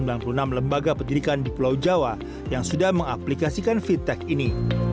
ada sembilan puluh enam lembaga pendidikan di pulau jawa yang sudah mengaplikasikan fintech ini